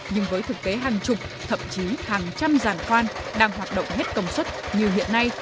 nhưng với thực tế hàng chục thậm chí hàng trăm giàn khoan đang hoạt động hết công suất như hiện nay